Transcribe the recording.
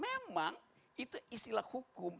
memang itu istilah hukum